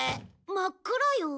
真っ暗よ。